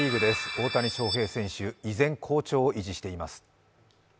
大谷翔平選手、依然、好調を維持しています。